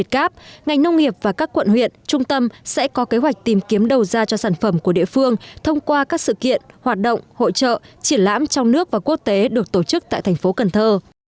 ngành nông nghiệp và các quận huyện trung tâm sẽ có kế hoạch tìm kiếm đầu ra cho sản phẩm của địa phương thông qua các sự kiện hoạt động hội trợ triển lãm trong nước và quốc tế được tổ chức tại thành phố cần thơ